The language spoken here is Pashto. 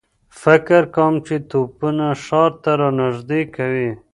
فکر کوم چې توپونه ښار ته را نږدې کوي.